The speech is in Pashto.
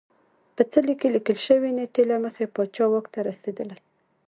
په څلي کې لیکل شوې نېټه له مخې پاچا واک ته رسېدلی